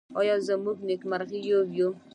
آیا موږ نېکمرغه یو؟